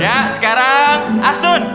ya sekarang asun